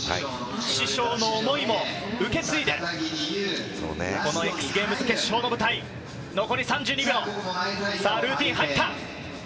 師匠の思いも受け継いで、このＸＧａｍｅｓ決勝の舞台、残り３２秒、ルーティーン入った。